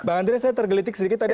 bang andre saya tergelitik sedikit tadi